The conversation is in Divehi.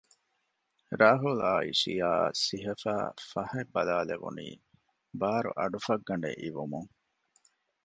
ރާހުލް އާއި ޝިޔާއަށް ސިހިފައި ފަހަތް ބަލާލެވުނީ ބާރު އަޑުފައްގަނޑެއް އިވުމުން